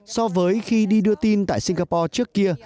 so với khi đi đưa tin tại singapore trước kia